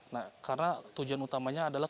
nah karena tujuan utamanya adalah